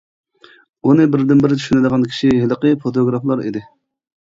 ئۇنى بىردىنبىر چۈشىنىدىغان كىشى ھېلىقى فوتوگرافلا ئىدى.